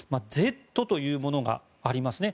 「Ｚ」というものがありますね。